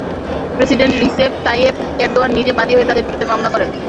President Recep Tayyip Erdogan নিজে বাদী হয়ে তাঁদের বিরুদ্ধে মামলা করেন।